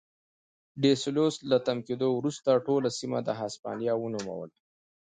ډي سلوس له تم کېدو وروسته ټوله سیمه د هسپانیا ونوموله.